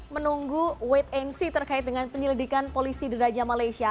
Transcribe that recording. menunggu wait and see terkait dengan penyelidikan polisi deraja malaysia